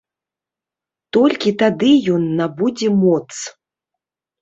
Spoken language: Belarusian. Толькі тады ён набудзе моц.